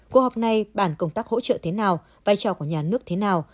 cuộc họp này bản công tác hỗ trợ thế nào vai trò của nhà nước thế nào